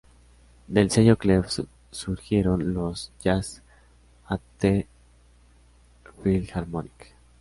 Del sello "Clef" surgieron los "Jazz At The Philharmonic".